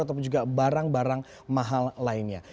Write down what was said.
ataupun juga barang barang mahal lainnya